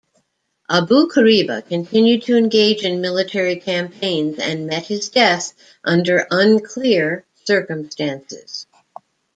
Abu-Kariba continued to engage in military campaigns and met his death under unclear circumstances.